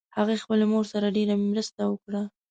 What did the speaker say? هغې خپلې مور سره ډېر مرسته وکړه